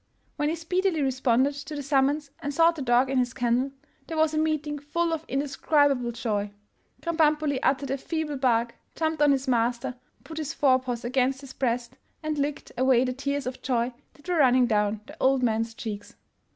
When he speedily responded to the summons and sought the dog in his kennel, there was a meeting full of indescribable joy. Krambambuli uttered a feeble bark, jumped on his master, put his fore paws against his breast, and licked away the tears of joy that were running down the old man's cheeks.